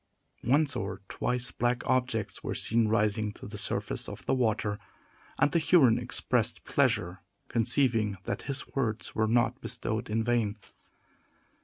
Once or twice black objects were seen rising to the surface of the water, and the Huron expressed pleasure, conceiving that his words were not bestowed in vain.